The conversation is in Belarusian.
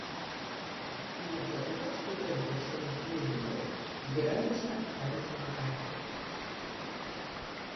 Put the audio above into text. Для гэтага студэнтаў сямі ўнівераў збіраюцца адправіць на вакацыі.